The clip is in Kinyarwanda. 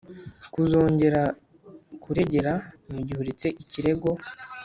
kuzongera kururegera mu gihe uretse ikirego